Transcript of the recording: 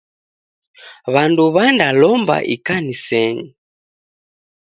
W'andu w'andalomba ikanisenyi.